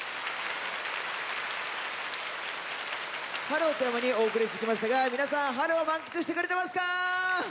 「春」をテーマにお送りしてきましたが皆さん春を満喫してくれてますか？